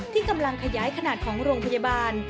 ที่กำลังขยายขนาดของโรงพยาบาล